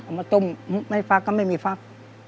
มาต้มไม่ฟักก็ไม่มีฟัก